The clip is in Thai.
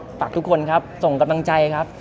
ฝากทุกคนครับส่งกำลังใจครับ